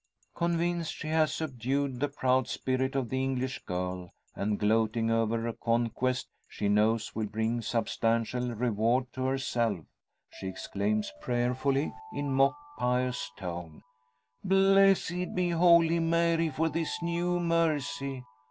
Convinced she has subdued the proud spirit of the English girl, and gloating over a conquest she knows will bring substantial reward to herself, she exclaims prayerfully, in mock pious tone: "Blessed be Holy Mary for this new mercy!